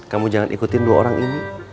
kamu jangan ikutin dua orang ini